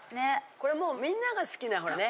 これもうみんなが好きなね。